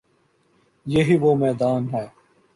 یہی وہ میدان ہے۔